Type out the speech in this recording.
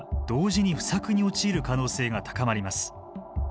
同時に不作に陥る可能性が高まります。